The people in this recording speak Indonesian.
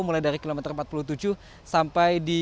mulai dari kilometer empat puluh tujuh sampai di